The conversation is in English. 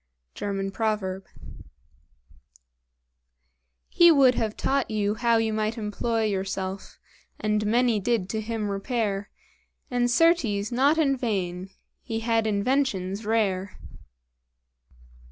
German Proverb. "He would have taught you how you might employ Yourself; and many did to him repair, And, certes, not in vain; he had inventions rare."